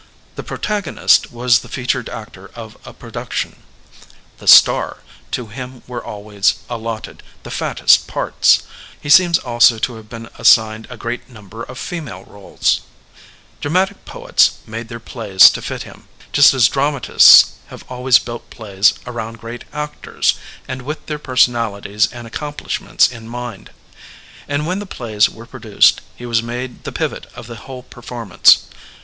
The protagonist was the fea tured actor of a production — ^the star. To him were always allotted the fattest parts; he seems also to have been assigned a great number of female roles. Dramatic poets made their plays to fit him, just as dramatists have always buUt plays around great actors and with their personalities and accom Digitized by Google EVOLUTION OF THE ACTOR 471 pfiahments in mind. And when the plays were pro duced he was made the pivot of the whole perform anoe.